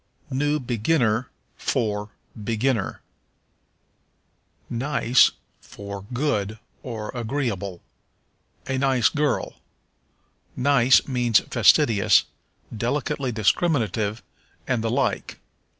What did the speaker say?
New Beginner for Beginner. Nice for Good, or Agreeable. "A nice girl." Nice means fastidious, delicately discriminative, and the like.